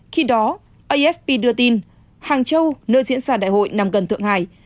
khi đó afp đưa tin hàng châu nơi diễn ra đại hội nằm gần thượng hải